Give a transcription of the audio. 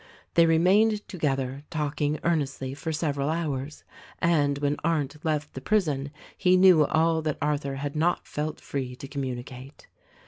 They remained together talk ing earnestly for several hours, and when Arndt left the prison he knew all that Arthur had not felt free to com municate.